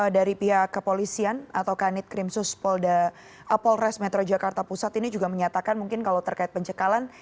dari pihak kepolisian atau kanit krimsus polres metro jakarta pusat ini juga menyatakan mungkin kalau terkait pencekalan